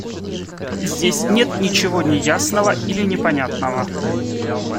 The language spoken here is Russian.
Здесь нет ничего неясного или непонятного.